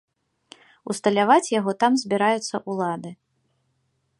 Усталяваць яго там збіраюцца ўлады.